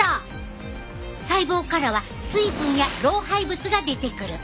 細胞からは水分や老廃物が出てくる。